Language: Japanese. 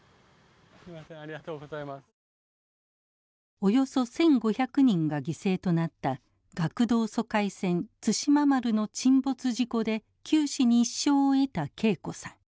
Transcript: およそ１，５００人が犠牲となった学童疎開船「対馬丸」の沈没事故で九死に一生を得た啓子さん。